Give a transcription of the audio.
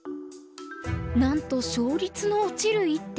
なんと勝率の落ちる一手。